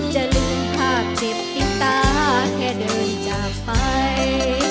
จะลืมภาพเจ็บติดตาแค่เดินจากไป